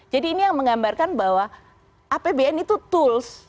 jadi ini yang menggambarkan bahwa apbn itu tools